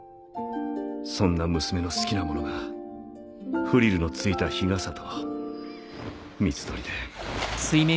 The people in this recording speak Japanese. そんな娘の好きなものがフリルの付いた日傘と水鳥で。